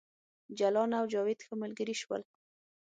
جلان او جاوید ښه ملګري شول